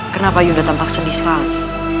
kenapa yuda tampak sedih sekali